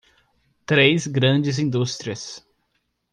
Três grandes indústrias